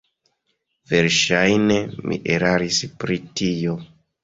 Verŝajne mi eraris pri tio.